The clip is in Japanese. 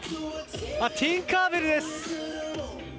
ティンカー・ベルです。